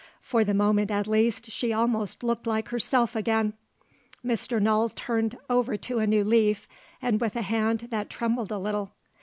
For the moment, at least, she almost looked like herself again. Mr. Null turned over to a new leaf, with a hand that trembled a little.